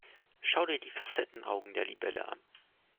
Schau dir die Facettenaugen der Libelle an.